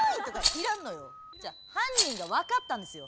違う犯人が分かったんですよ。